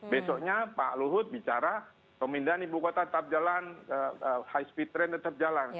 besoknya pak luhut bicara pemindahan ibu kota tetap jalan high speed train tetap jalan